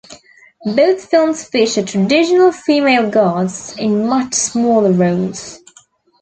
Both films feature additional female guards in much smaller roles.